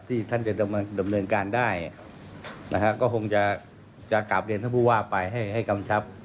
ท่านจะดำเนินการได้นะฮะก็คงจะกลับเรียนท่านผู้ว่าไปให้กำชับ